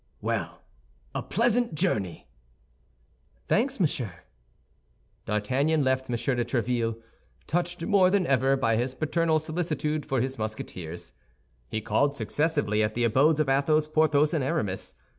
"Well, a pleasant journey." "Thanks, monsieur." D'Artagnan left M. de Tréville, touched more than ever by his paternal solicitude for his Musketeers. He called successively at the abodes of Athos, Porthos, and Aramis.